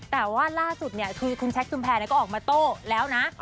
แต่ว่าล่าสุดคือคุณแจ๊กซุ้มแพร์ก็ออกมาโตแล้วนะ